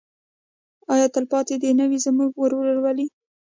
آیا تلپاتې دې نه وي زموږ ورورولي؟